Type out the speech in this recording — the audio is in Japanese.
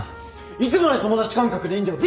いつまで友達感覚でいんだよ！